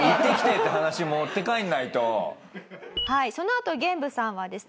そのあとゲンブさんはですね